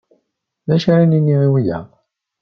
D acu ara nini i wiyaḍ